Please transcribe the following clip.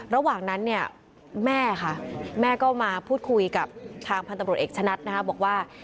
ระหว่างนั้นเนี่ยแม่ค่ะแม่ก็มาพูดคุยกับทางพันธบรวจเอกชะนัดนะคะบอกว่า